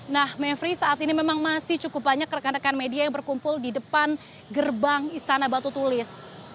nah mevri saat ini memang masih cukup banyak rekan rekan media yang berkumpul di depan gerbang istana batu tulis